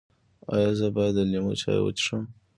ایا زه باید د لیمو چای وڅښم؟